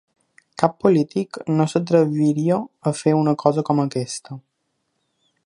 Cap polític no s'atreviria a fer una cosa com aquesta.